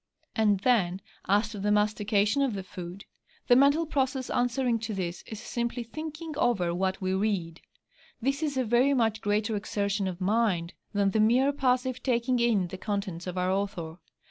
And then, as to the mastication of the food, the mental process answering to this is simply thinking over what we read. This is a very much greater exertion of mind than the mere passive taking in the contents of our Author.